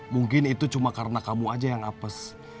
mungkin itu cuma karena kamu aja yang apes